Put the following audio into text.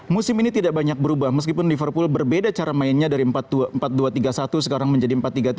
musim ini tidak banyak berubah meskipun liverpool berbeda cara mainnya dari empat dua tiga satu sekarang menjadi empat tiga tiga